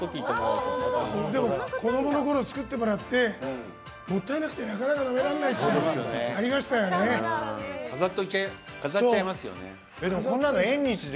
子どものころ作ってもらって、もったいなくてなかなか、なめられないっていうのがありましたね。